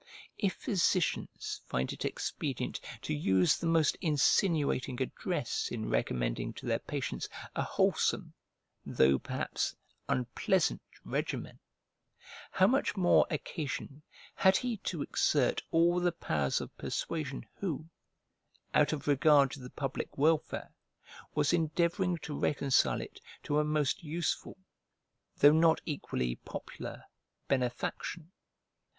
If physicians find it expedient to use the most insinuating address in recommending to their patients a wholesome though, perhaps, unpleasant regimen, how much more occasion had he to exert all the powers of persuasion who, out of regard to the public welfare, was endeavouring to reconcile it to a most useful though not equally popular benefaction?